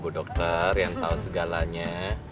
bu dokter yang tahu segalanya